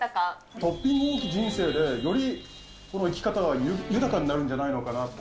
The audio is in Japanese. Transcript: トッピング多き人生で、よりこの生き方が豊かになるのじゃないのかなと。